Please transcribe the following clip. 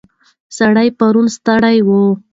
سړی پرون ستړی و.